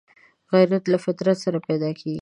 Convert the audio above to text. غیرت له فطرت سره پیدا کېږي